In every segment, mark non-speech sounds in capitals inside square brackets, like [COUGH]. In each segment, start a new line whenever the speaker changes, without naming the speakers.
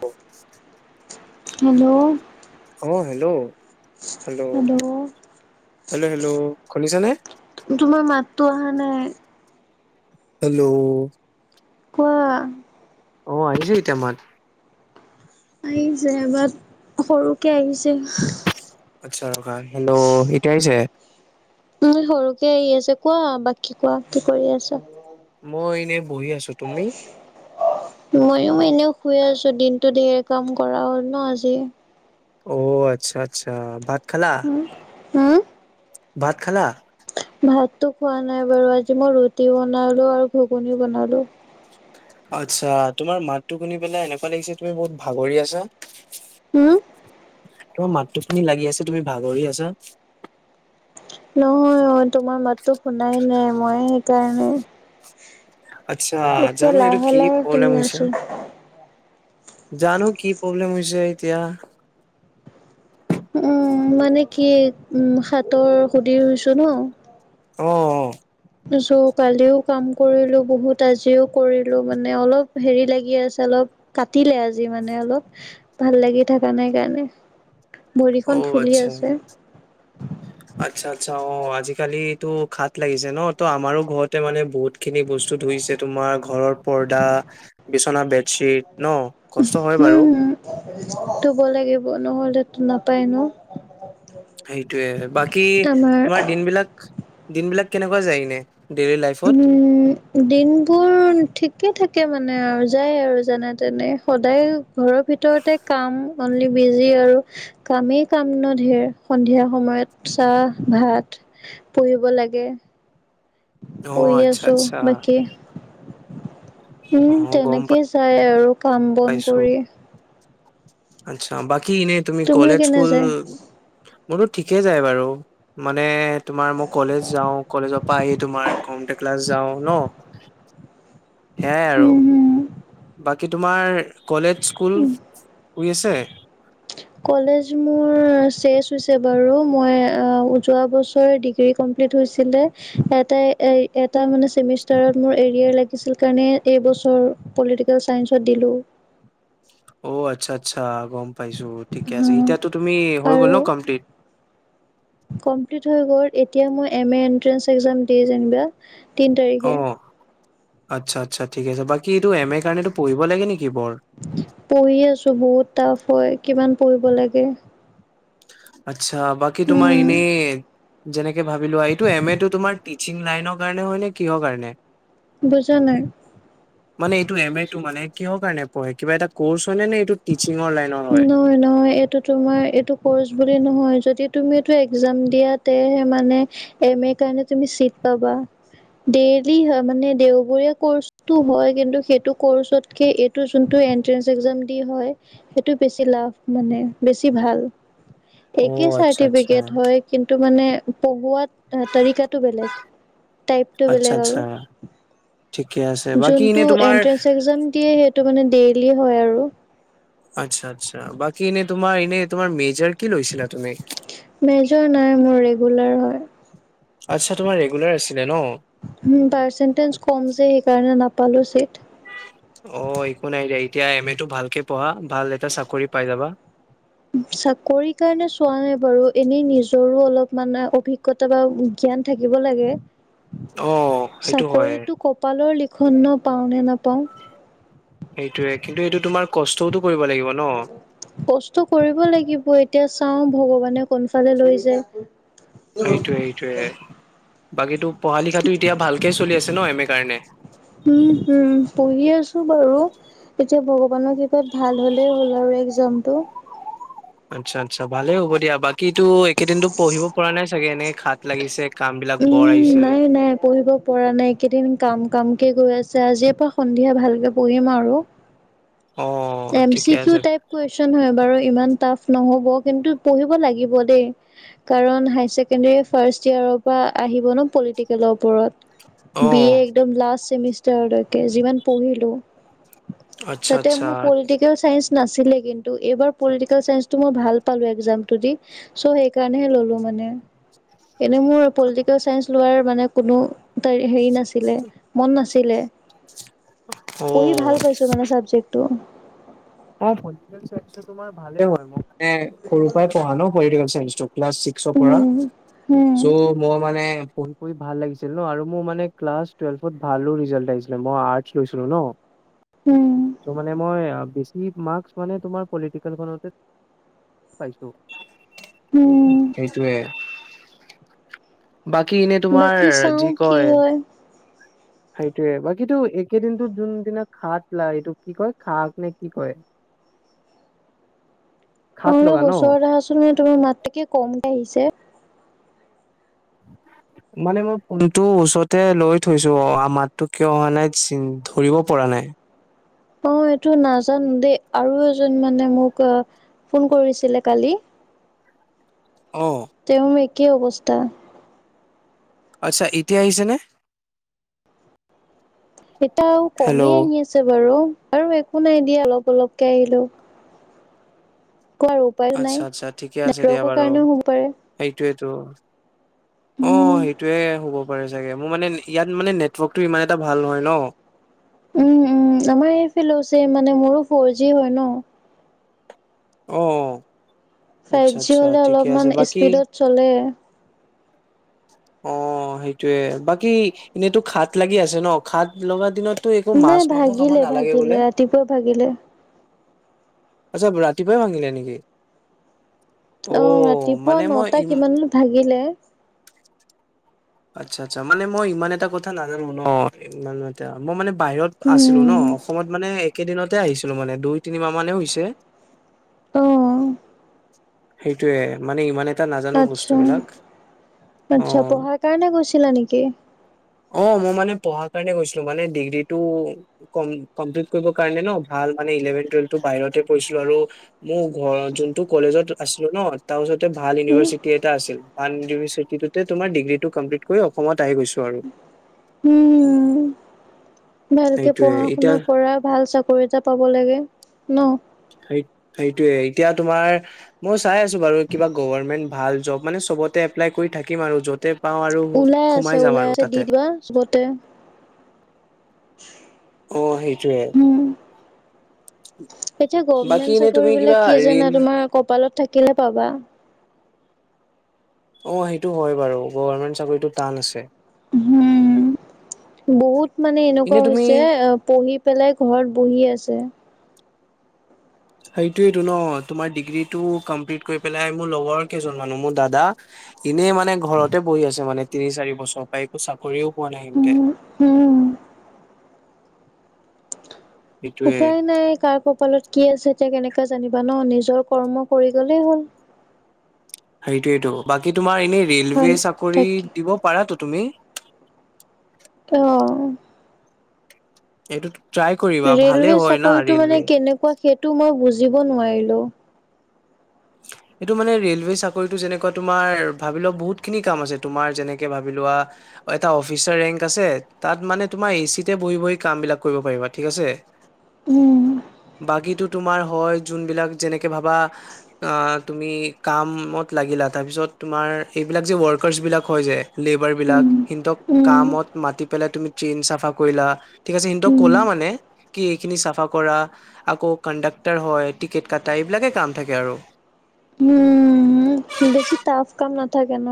অ' [UNINTELLIGIBLE]
hello
অ' hello
hello
hello hello hello শুনিছানে?
টো অহা নাই
হেল্ল'
কোৱা?
অ ' আহিছে এতিয়া মাত?
আহিছে এবাৰ সৰুকে আহিছে।
আটছা ৰখা হেল্ল' এতিয়া আহিছে?
উ সৰুকে আহি আছে কোৱা বাকী কোৱা কি কৰি আছা?
অ' এনে
ময়ো এনেও শুই আছো দিনটো ধেৰ কাম কৰা হ'ল ন আজি।
অ আচ্ছা -আচ্ছা ভাত খালা ভাত খা? লা
ভাতটো খোৱা নাই বাৰু আজি মই ৰুটি বনালো আৰু ঘুগুনি বনালো।
আত্ছা তোমাৰ মাততটো শুনি পেলাই এনেকুৱা লাগিছে তুমি বহুত ভাগৰি আছা৷
উম
তোমাৰ মাতটো শুনি লাগি আছে তুমি ভাগৰি আছা।
নহয় অ' তোমাৰ মাততো শুনাই নাই মই সেইকাৰণে
আচ্ছা
একে
জানো এইটো
লাহে
কি
-লাহে
প্ৰব্লেম
শুনি
হৈছে
আছো।
জানো কি প্ৰব্লেম হৈছে এতিয়া।
উম মানে কি উ হাতৰ সুধিৰ ৰুইছো ন'
অ -অ
চ' কালিও কাম কৰিলো বহুত আজিও কৰিলো মানে অলপ হেৰি লাগি আছে অলপ। প কাটিলে আজি মানে অলপ ভাল লাগি থকা নাই কাৰণে
অ
ভৰিখন ফুলি
আচ্ছা
আছে।
-আচ্ছা -আচ্ছা অ আজিকালি খাত লাগিছে ন ত আমাৰো ঘৰতে মানে বহুত খিনি বস্তু ধুইছে তোমাৰ ঘৰৰ পৰ্দা বিচনা বেত
হম হম ধুব লাগিব নহ'লে। নাপাই নো।
সেইটোয়ে বাকী তোমাৰ দিন বিলাক দিন বিলাক কেনেকুৱা যায়নে।
উম দিনবোৰ ঠিকে থাকে। মানে আৰু যায় আৰু যেনে তেনে সদায় ঘৰৰ ভিতৰতে কাম অনলি বিজি। কামেই কাম ন ধেৰ সন্ধিয়া সময়ত চাহ ভাত। লাগে
অ
পঢ়ি
আচ্ছা
আছো
আচ্ছা
বাকী।
অ
উম
গম
তেনেকেই যায় আৰু কাম বন
পাইছো
কৰি।
আচ্ছা বাকি ইনেই তুমি
তোমাৰ
কলেজ
কেনে
স্কুল।
যায়
মোৰতো ঠিকে যায় বাৰু মানে তোমাৰ মই কলেজ যাওঁ কলেজৰ পৰা আহি তোমাৰ। কমতে ক্লাছ যাওঁ ন সেইয়াই আৰু
উম হম
বাকী তোমাৰ কলেজ স্কুল শই আছে।
কলেজ স্কুল শেষ হৈছে বাৰো মই অঁ যোৱা বছৰে ডিগ্ৰী কম। কমপ্লিত হৈছিলে ইয়াতে এটা মানে সেমেষ্টাৰ্ত মুৰ এৰীয়াৰ লাগিচিল কাৰণে এইবছৰ পলিটিকেল চাইঞ্চত দিলো
অ আচ্ছা আচ্ছা গম পাইছো ঠিকে আছে এতিয়াতো তুমি হৈ গ'ল ন কমপ্লিট
কম্প্লিট হৈ গ' এতিয়া মই এম এ এণ্ট্ৰেঞ্চ একজাম দি যেনিবা তিনি তাৰিখে
অ' আচ্ছা আ্ছা ঠিক আছে বাকী এইটো এম এ কাৰণেত পঢ়িব লাগে নেকি? বৰ
পঢ়ি আছো বহুত টাফ হয় কিমান পঢ়িব লাগে।
আচ্ছা বাকী তোমাৰ এনে যেনেকে ভাবিলোৱা এইটো এম এ তটো তোমাৰ টিচিং লাইনৰ কাৰণে হয় নে কিহৰ কাৰণে
বুজা নাই
মানে এইটো এম এটো মানে কিহৰ কাৰণে পঢ়ে কিবা এটা কৰ্চ হয় নে নে এইটো টিচিঙৰ লাইনৰ হয়
নহয় নহয় এইটো তোমাৰ এইটো কৰ্চ বুলি নহয়। যদি তুমিটো একজাম দিয়া তেহে মানে এম এৰ কাৰণে তুমি চিট পাবা। ডেইলি হয় মানে দেওবৰীয়া কৰ্চটো হয় কিন্তু সেইটো কৰ্চতকে এইটো যোনটো বেছ। একে
অ' আচ্ছা আচ্ছা
চাৰটিফিকেট হয় কিন্তু মানে পঢ়োৱাত তালিকটো বেলেগ টাইপটো
আচ্ছা
বেলেগ
আচ্ছা
আৰু
ঠিকে আছে বাকী
এট
এনে তোমাৰ
এক দিয়ে সেই মানে ডেইলি হয় আৰু
আচ্ছা আচ্ছা বাকী এনে তোমাৰ এনে তোমাৰ মেজাৰ
মেজৰ নাই মোৰ ৰেগুলাৰ হয়।
আচ্ছা তোমাৰ ৰেগুলাৰ আছে।
পাৰ্চেন্টেজ কম যে সেইকাৰণে নাপালো চিট।
অ একো নাই দে এতিয়া এম এ টো ভালকে পঢ়া ভাল এটা চাকৰি পাই যাবা।
চাকৰি কাৰণে চোৱা নাই বাৰু এনেই নিজৰো অলপ মানে অভিজ্ঞতা বা্ জ্ঞান থাকিব লাগে
অ সেইটো হয়
চাকৰি টো কপালৰ লিক ক্ষুণ পাওঁ নে নাপাওঁ।
সেইটোয়ে কিন্তু এইটো তোমাৰ কষ্টতো
কষ্ট কৰিব লাগিব এতিয়া চাওঁ ভগৱানে কোনফালে লৈ যায়।
সেইটোৱে সেইটোৱে বাকীটো পঢ়া লিখাতো এতিয়া ভালকে চলি আছে ন এম এ কাৰণে?
উম হম পঢ়ি আছো বাৰু। এতিয়া ভগৱানৰ কৃপাত ভাল হলেই হ'ল আৰু একজামটো।
আচ্ছা, আচ্ছা ভালে হ'ব দিয়া। বাকী একেদিনটো পঢ়িব পৰা নাই চাগে? এনেকই খাত লাগিছে। কাম বিলাক বৰ
উম,
আহিছে
নাই, নাই। পঢ়িব পৰা নাই। কেইদিন কাম কামকে গৈ আছে। আজি পৰা সন্ধিয়া ভালকে পঢ়িম আৰু।
অ
এম চি
ঠিকে
কিউ
আছে
টাইপ কুৱেশন হয় বাৰু। ইমান তাফ নহব, কিন্তু পহিব লাগিব দেই কাৰণ হাই ছেকেণ্ডাৰী ফাৰ্ষ্ট ইয়াৰ পৰা আহিব ন পলিটিকেলৰ ওপৰত?
অ
বি এ একদম লাষ্ট চেমিষ্টাৰলৈকে যিমান পঢ়িলো
আচ্ছা, আচ্ছা।
পলিটিকেল চাইঞ্চ নাছিলে। কিন্তু এইবাৰ পলিটিকেল চাইন্সটো মই ভাল পালোঁ এক্সামটো দি। চ সেইকাৰণেহে ললো মই। মানে
[INAUDIBLE]
এনে মোৰ পলিটিকেল চাইন্স লোৱাৰ মানে কোনো ত হেৰি নাছিলে, মন নাছিলে। লে।
অ
পঢ়ি ভাল পাইছো মানে চাবজেক্টটো।
অ পলিটিকেল চাইন্সটো তোমাৰ ভালে হল। মই মানে সৰুৰ পৰা পঢ়া ন পলেটিকেল চাইন্স। ক্লাছ ছিক্সৰ পৰা।
উম, উম,
চ' মই মানে পঢ়ি পঢ়ি ভাল লাগিছিল ন আৰু মোৰ মানে ক্লাছ টুৱেল্ভত ভালো ৰিজাল্ট আহিছিলে। মই আৰ্টচ লৈছিলো ন।
উম,
ত' মানে মই চি মাৰ্কচ মানে তোমাৰ পলিটিকেলখনতে পাইছোঁ।
উম।
সেইটোৱে। বাকী এনে তোমাৰ
বাকী চাও
যি
কি
কয়।
হয়
সেইটোৱে, বাকীটো একেদিনতো যোনদিনা খাট লাগে, এইটো কি কয় খাট নে কি কয়? [INAUDIBLE] খাত লগা
অলপ ওচৰত
ন
আহাচোন। তোমাৰ মাতটো একে কমকে আহিছে।
[UNINTELLIGIBLE] মানে মই ফোনটো ওচৰতে লৈ থৈছো। অ আ মাতটো কিয় অহা নাই ধৰিব পৰা নাই। [UNINTELLIGIBLE]
অ এইটো নাজানো দেই আৰু এজন মানে মোক অ ফোন কৰিছিলে কালি
[UNINTELLIGIBLE] অ
তেওঁ একেই অৱস্থা।
আচ্ছা ইতিয়া আহিছেনে?
এতিয়া আৰু কমেই আহি আছে বাৰু। বাৰু একো নাই দিয়া অলপ অলপকে আহিলেও।
আচ্ছা, আচ্ছা ঠিকে আছে দিয়া
নেটৱৰ্কৰ
বাৰু।
কাৰণেও হ'ব পাৰে
এই সেইটোৱেটো। অ
উম
সেইটোৱে হব। পাৰে ছাগে। মোৰ মানে ইয়াত মানে নেটৱৰ্কটো ইমান এটা ভাল নহয় ন।
উম, উম আমাৰ এইফিল হৈছে। মানে মোৰো ফৰ জি হয় ন।
অ,
ফাইভ
আচ্ছা,
জি
আচ্ছা।
হ'লে
ঠিকে
অলপমান
আছে, বাকী
স্পীডত চলে
অ সেইটোৱে বাকী এনেইতো খাত লাগি আছে ন? খাত লগা দিনত তো একো মাছ
নাই
মাংস খাব
ভাগিলে
নালাগে
ভাগিলে
বোলে?
ৰাতিপুৱা ভাগিলে
আচ্ছা, ৰাতিপুৱাই ভাঙিলে নেকি?
অ, ৰাতিপুৱা
মানে মই
নটা
ই
কিমান মানত ভাগিলে।
আচ্ছা, আচ্ছা। মানে মই ইমান এটা কথা নাজানো ন। ইমান এ মই মানে বাহিৰত আছিলো ন,
উম।
অসমত মানে কেইদিনতে আহিছিলো, মানে দুই তিনিমাহ মানহে হৈছে।
অ',
সেইটোৱে মানে ইমানে এটা নাজানো বস্তু
আচ্ছা,
বিলাক, অ।
আচ্ছা পঢ়াৰ কাৰণে গৈছিলা নেকি?
অ মই মানে পঢ়াৰ কাৰণে গৈছিলো মানে ডিগ্ৰীটো ক কমপ্লিট কৰিব কাৰণে ন ভাল। ভাল মানে ইলেভেন টুৱেলভটো বাহিৰতে পৰিছিলো আৰু মোৰ ঘ যোনটো কলেজত আছিলো ন তা ওচৰত। ভাল
উম,
ইউনিভাৰ্চিটি এটা আছিল ভাল ইভাৰ্চিটিতে তোমাৰ ডিগ্ৰীটো কমপ্লিট কৰি অসমত আহি গৈছো আৰু।
উম, ভালকে
সেইটোয়ে
পঢ়া
এতিয়া
শুনা কৰা ভাল চাকৰি এটা পাব লাগে ন।
সেই সেইটোয়ে এতিয়া তোমাৰ মই চাই আছো বাৰু কিবা গভৰ্মেন্ট ভাল জব মানে। চবতে এপ্লাই কৰি থাকিম আৰু য'তে। পাওঁ আৰু
ওলাই আছে
সোমাই যাম
ওলাই
আৰু
আছে দি
তাতে।
দিবা চবতে।
অহ সেইটোৱে।
উম, এতিয়া গভমেন্ট
এনে
চাকৰি
তুমি কিবা
বিলাক কি
ৰিল
জানা তোমাৰ কপালত থাকিলে পাবা।
অ সেইটো হয় বাৰু গভমেন্ট চাকৰিটো টান আছে।
উম, বহুত মানে
এনে
এনেকুৱা
তুমি
হৈছে পঢ়ি পেলাই ঘৰত বহি আছে।
সেইটোটো ন তোমাৰ ডিগ্ৰীটো কমপ্লিট কৰি পেলাই মোৰ লগৰ কেইজন মানু মোৰ দাদা। এনেই মানে ঘৰতে বহি আছে মানে তিনি চাৰি বছৰৰ পৰা একো চাকৰিও পোৱা নাই সিহতে।
উম, উম।
সেইটোয়ে
উপায় নাই কাৰ কপালত কি আছে। এতিয়া কেনেকে জানিবা ন নিজৰ কৰ্ম কৰি গলেই হ'ল।
সেইটোয়েইটো বাকী তোমাৰ এনে
হয়
ৰেলৱে চাকৰি
তাকে
দিব পাৰাটো তুমি।
আহ
এইটো ট্ৰাই কৰিবা ভালে
ৰে'লৱে
হয় না
চাকৰিটো মানে
ৰেলৱে
কেনেকুৱা সেইটো মই বুজিব নোৱাৰিলো?
এইটো মানে ৰেলৱে চাকৰিতটো যেনেকুৱা তোমাৰ ভাবি লও বহুত খিনি কাম আছে তোমাৰ যেনেকে ভাবি লও লোৱা, এটা অফিচাৰ ৰেংক আছে তাত মানে তোমাৰ এ চিটে বহি বহি কাম বিলাক কৰিব পাৰিবা ঠিক আছে? যে
উম
বাকীতো তোমাৰ হয় যোনবিলাক যেনেকে ভাবা অ তুমি কামত লাগিলা তাৰপিছত তোমাৰ এইবিলাক যে ৱৰ্কাৰছ বিলাক হয় যে লিভ এবিলাক
উম,
সিনতক
উম,
কামত মাতি পেলাই তুমি ট্ৰেইন চাফা কৰিলা ঠিক আছে। সিনতক
উম।
ক'লা মানে কি এইখিনি চাফা কৰা আকৌ কণ্ডাক্টাৰ হয়, টিকেট কটা এইবিলাকে কাম থাকে আৰু।
উম, বেছি টাফ কাম নাথাকে ন?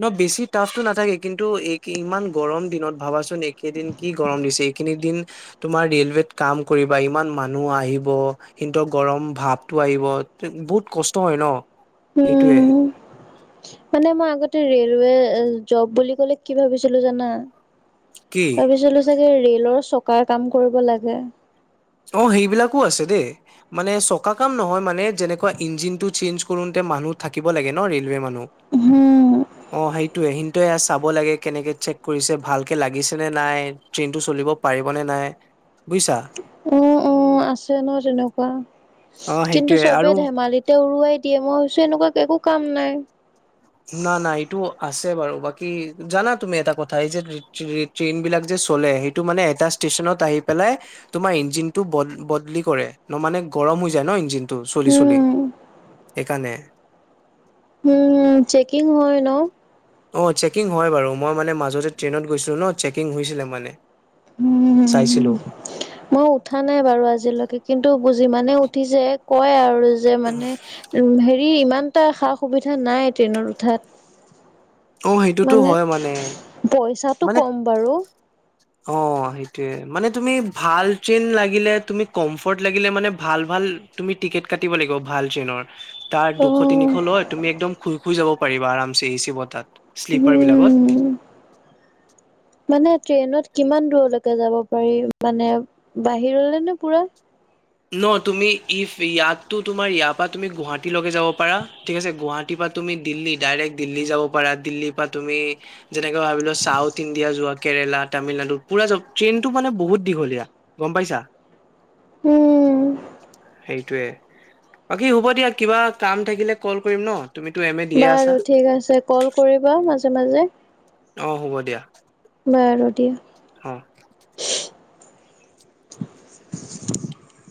ন বেছি টাফটো নাথাকে কিন্তু এই ইমান গৰম দিনত ভাবাচোন একেদিন কি গৰম দিছ- তোমাৰ ৰে'লৱেত কাম কৰিবা ইমান মানুহ আহিব কিন্তু গৰম ভাব টো আহিব বহুত কষ্ট হয় ন সেইটোৱে।
উম, মানে মই আগতে ৰেলৱে জব বুলি ক'লে কি ভাবিছিলো জানা?
কি
ভাবিছিলো চাগে ৰে'লৰ চকাৰ কাম কৰিব লাগে।
অ সেইবিলাকো আছে দেই মানে চকা কাম নহয় মানে, যেনেকুৱা ইঞ্জিনটো চেঞ্জ কৰোতে মানুহ থাকিব লাগে ন ৰে'লৱে মানুহ‌।
উম,
অ সেইটোৱে এ চাব লাগে কেনেকে চেক কৰিছে ভালকে লাগিছে নে নাই ট্ৰেইনটো চলিব পাৰিব'নে নাই? বুজিছা?
উম, উম, আছে ন তেনেকুৱা
অ
কিন্তু
সেইটোয়ে
চবে
আৰু
ধেমালিতে উৰুৱাই দিয়ে মই ভাবিছো এনেকুৱা একো কাম নাই।
নাই নাই এইটো আছে বাৰু। বাকী জানা তুমি এটা কথা এই যে ট্ৰেইন বিলাক যে চলে সেইটো মানে এটা ষ্টেচনত আহিব তোমাৰ ইঞ্জীনতো বদ বদলি কৰে। মানে গৰম হৈ যায় ন ইঞ্জীনতো টো চলি চলি
উম
সেইকাৰণে।
উম চেকিং হয় ন?
অ চেকিং হয় বাৰু মই মানে মাজতে ট্ৰেইনত গৈছিলো ন চেকিং হৈছিলে মানে।
উম
চাইছিলো
মই উঠা নাই বাৰু আজিলৈকে কিন্তু বুজি মানে উঠিছে কয় আৰু যে মানে উ হেৰি ইমান এটা সা- সুবিধা নাই ট্ৰেইনত উঠাত।
অ সেইটোতো হয় মানে
পইছাটো
মানে
ক'ম বাৰু।
অ সেইটোয়ে মানে তুমি ভাল চেন লাগিলে তুমি কমফৰ্ট লাগিলে মানে ভাল ভাল ভাল তুমি টিকেট কাটিব লাগিব ভাল ট্ৰেইনৰ। তাৰ
অ
দুশ তিনিশ লয় তুমি একদম শুই শুই যাব পাৰিবা আৰামচে এি ছি বতা'ত শ্লীপাৰ
উম
বিলাকত।
মানে ট্ৰেইনত কিমান দূৰলৈকে যাব পাৰি মানে বাহিৰলে নে পুৰা?
ন তুমি ইফ ইয়াতো তোমাৰ ইয়াৰ পৰা তুমি গুৱাহাটী লগকে যাব পাৰা ঠিক আছে গুৱাহাটীৰ পৰা তুমি দিল্লী ডাইৰেক্ট দিল্লী যাব পাৰা দিল্লীৰ পৰা তুমি যেনেকে ভাবিলো চাউথ ইণ্ডিয়া যোৱা কেৰেলা তামিলনাডু পুৰা যাব ট্ৰেইনতটো মানে বহুত দীঘলীয়া গম পাইছা?
উম
সেইটোৱে বাকী হব দিয়া, কিবা কাম থাকিলে কল কৰিম ন? তুমিতো এম এ দিয়ে আছা
বাৰু ঠিক আছে কল কৰিবা মাজে মাজে।
অ হ'ব দিয়া।
বাৰো দিয়া।
হ।
[INAUDIBLE]